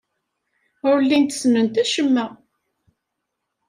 Ur llint ssnent acemma.